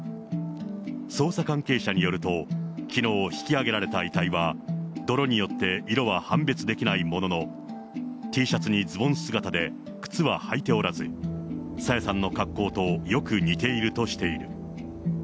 捜査関係者によると、きのう引き揚げられた遺体は、泥によって色は判別できないものの、Ｔシャツにズボン姿で、靴は履いておらず、朝芽さんの格好とよく似ているとしている。